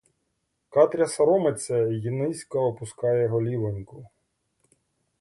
Катря соромиться й низько опускає голівоньку.